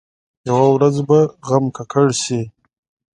یوه ورځ به په غم ککړ شي.